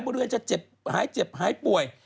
พวกเรือนจะหายเจ็บหายป่วย